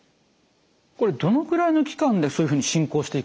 これどのくらいの期間でそういうふうに進行していくんですか？